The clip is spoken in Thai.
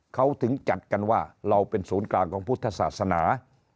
เขาถึงจัดกันว่าเราเป็นศูนย์กลางของพุทธศาสนา